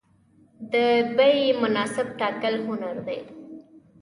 د بیې مناسب ټاکل هنر دی.